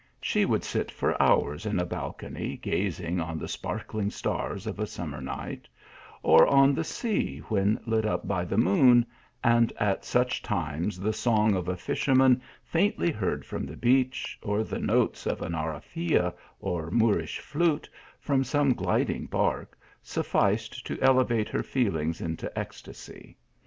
She would sit for hours in a balcony gazing on the spark ling stars of a summer night ; or on the sea when lit up by the moon, and at such times the song of a fisherman faintly heard from the beach, or the notes of an arrafia or Moorish flute from some gliding bark, sufficed to elevate her feelings into ecstasy.